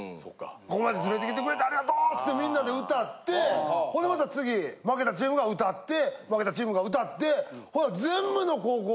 「ここまで連れて来てくれてありがとう！」つってみんなで歌ってほんでまた次負けたチームが歌って負けたチームが歌ってほな。